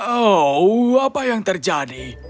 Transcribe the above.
oh apa yang terjadi